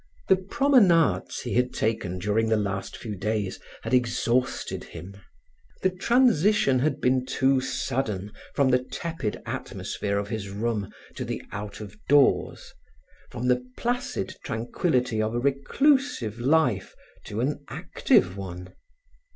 The promenades he had taken during the last few days had exhausted him. The transition had been too sudden from the tepid atmosphere of his room to the out of doors, from the placid tranquillity of a reclusive life to an active one.